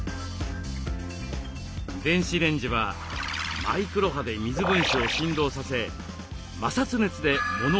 電子レンジはマイクロ波で水分子を振動させ摩擦熱で物を温めます。